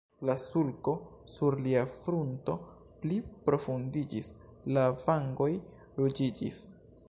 La sulko sur lia frunto pli profundiĝis, la vangoj ruĝiĝis.